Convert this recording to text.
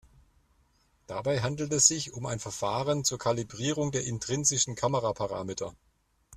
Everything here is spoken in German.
Dabei handelt es sich um ein Verfahren zur Kalibrierung der intrinsischen Kameraparameter.